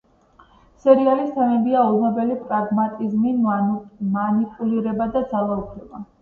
სერიალის თემებია ულმობელი პრაგმატიზმი, მანიპულირება და ძალაუფლება.